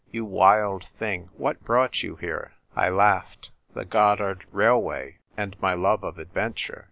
" You wild thing, what brought you here ?" I laughed. "The Gotthard railway — and my love of adventure.